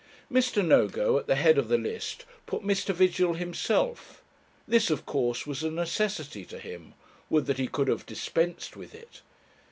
Mr. Nogo, at the head of the list, put Mr. Vigil himself. This, of course, was a necessity to him would that he could have dispensed with it!